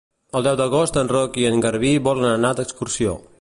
El deu d'agost en Roc i en Garbí volen anar d'excursió.